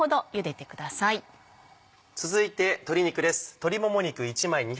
続いて鶏肉です。